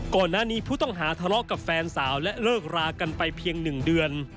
ก่อนหน้านี้ผู้ต้องหาทะเลาะกับแฟนสาวและเลิกรากันไปเพียง๑เดือน